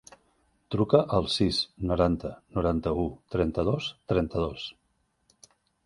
Truca al sis, noranta, noranta-u, trenta-dos, trenta-dos.